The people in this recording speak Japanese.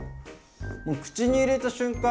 もう口に入れた瞬間